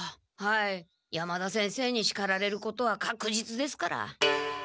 山田先生にしかられることは確実ですから。